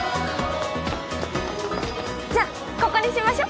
じゃあここにしましょ。